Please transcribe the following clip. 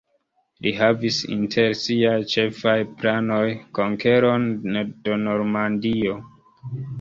Li havis inter siaj ĉefaj planoj konkeron de Normandio.